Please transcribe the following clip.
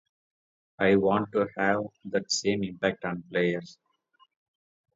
I want to have that same impact on players.